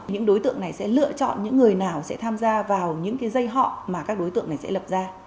những đối tượng này sẽ lựa chọn những người nào sẽ tham gia vào những cái dây họ mà các đối tượng này sẽ lập ra